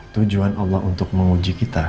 tujuan allah untuk menguji kita